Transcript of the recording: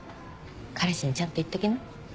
彼氏にちゃんと言っときな。